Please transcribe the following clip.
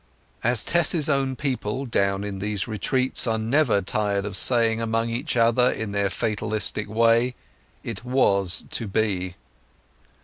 As Tess's own people down in those retreats are never tired of saying among each other in their fatalistic way: "It was to be."